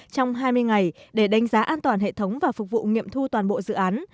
trong hai mươi ngày để đánh giá an toàn hệ thống và phục vụ nghiệm thu toàn bộ dự án